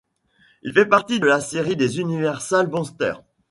Il fait partie de la série des Universal Monsters.